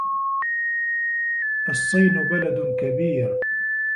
الصين بلد كبير